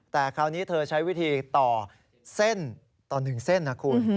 แต่คราวนี้เธอใช้วิธีต่อเส้นต่อ๑เส้นนะคุณ